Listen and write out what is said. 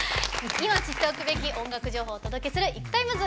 今、知っておくべき音楽情報をお届けする「ＩＫＵＴＩＭＥＳ」。